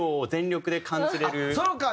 そうか。